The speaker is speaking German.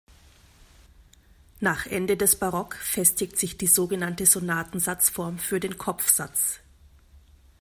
Nach Ende des Barock festigt sich die sogenannte Sonatensatzform für den Kopfsatz.